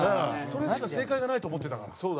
それしか正解がないと思ってたから。